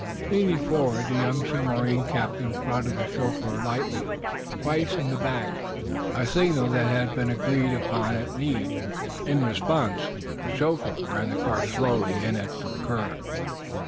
Leaning slightly forward the young submarine captain prodded the chauffeur lightly, twice, in the back a signal that had been agreed upon at need. In response, the chauffeur ran the car slowly in at the curb.